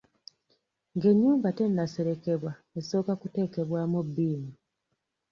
Ng’ennyumba tennaserekebwa esooka kuteekebwako bbiimu.